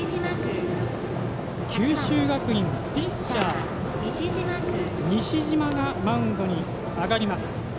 九州学院、ピッチャー西嶋がマウンドに上がります。